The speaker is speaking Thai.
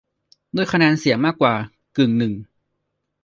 ด้วยคะแนนเสียงมากกว่ากึ่งหนึ่ง